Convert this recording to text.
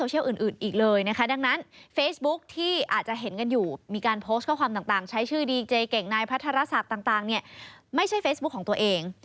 ใช้ชื่อดีเจเก่งนายพระธรรษัตริย์ต่างไม่ใช่เฟซบุ๊กของตัวเอง